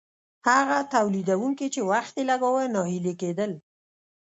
هغه تولیدونکي چې وخت یې لګاوه ناهیلي کیدل.